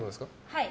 はい。